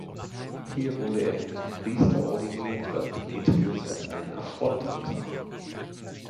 Hier wurde er nun zum Priester ordiniert, was Demetrius als einen Affront ansah.